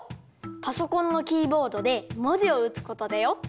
パソコンのキーボードでもじをうつことだよ。